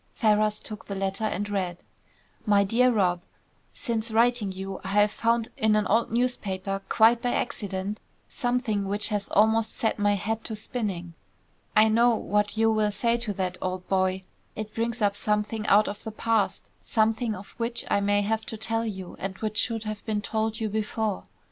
Ferrars took the letter and read: "MY DEAR ROB., Since writing you, I have found in an old newspaper, quite by accident, something which has almost set my head to spinning. I know what you will say to that, old boy. It brings up something out of the past; something of which I may have to tell you and which should have been told you before.